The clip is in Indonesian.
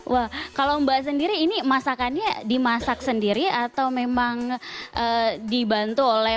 wah kalau mbak sendiri ini masakannya dimasak sendiri atau memang dibantu oleh